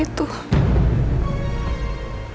dia b alpha